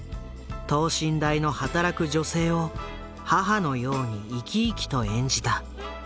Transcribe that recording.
等身大の働く女性を母のように生き生きと演じた。